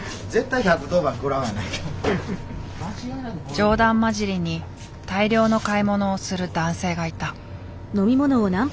冗談まじりに大量の買い物をする男性がいた。